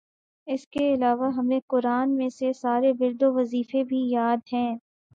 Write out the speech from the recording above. اسکے علاوہ ہمیں قرآن میں سے سارے ورد وظیفے بھی یاد ہیں